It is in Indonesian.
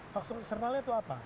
faktor eksternalnya itu apa